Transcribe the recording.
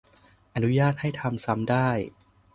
อนุญาตให้ทำซ้ำได้